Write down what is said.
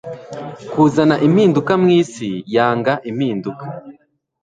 kuzana impinduka mwisi yanga impinduka